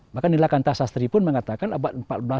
bahkan nilakan tasastri pun mengatakan abad empat belas